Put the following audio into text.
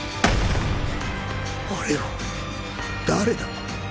あれは誰だ？